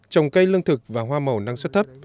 trồng cây lương thực và hoa màu năng suất thấp